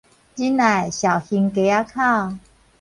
仁愛紹興街仔口